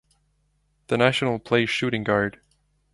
The national plays Shooting guard.